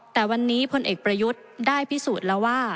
แต่วันนี้พลเอกประยุทธ์ได้พิสูจน์แล้วว่า